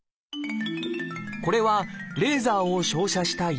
これはレーザーを照射した翌日の状態。